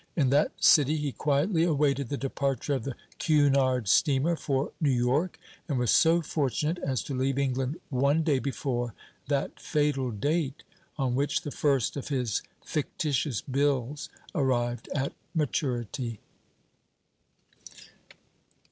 In that city he quietly awaited the departure of the Cunard steamer for New York, and was so fortunate as to leave England one day before that fatal date on which the first of his fictitious bills arrived at maturity.